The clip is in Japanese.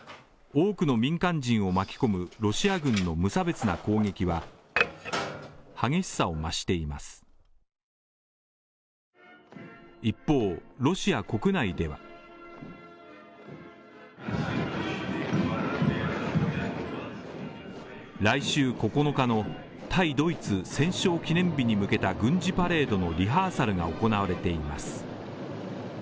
多くの民間人を巻き込むロシア軍の無差別な攻撃は来週９日の対ドイツ戦勝記念日に向けた軍事パレードのリハーサルが行われています。